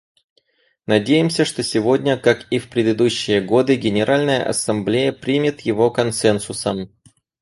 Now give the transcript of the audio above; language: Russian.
Надеемся, что сегодня, как и в предыдущие годы, Генеральная Ассамблея примет его консенсусом.